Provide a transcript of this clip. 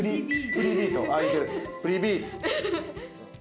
プリビート。